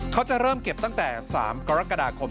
เขาจะเริ่มเก็บตั้งแต่๓กรกฎาคม